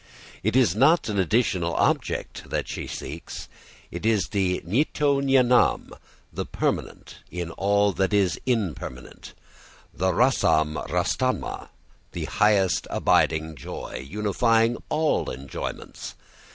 It is not an additional object the she seeks, but it is the nityo 'nityānām, the permanent in all that is impermanent, the rasānām rasatamah, the highest abiding joy unifying all enjoyments.